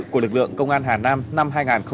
của lực lượng công an hà nam năm hai nghìn một mươi chín